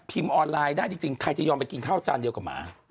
ออนไลน์ได้จริงใครจะยอมไปกินข้าวจานเดียวกับหมา